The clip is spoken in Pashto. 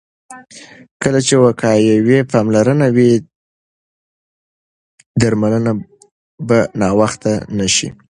کله چې وقایوي پاملرنه وي، درملنه به ناوخته نه شي.